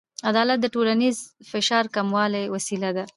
عدالت د ټولنیز فشار کمولو وسیله ده.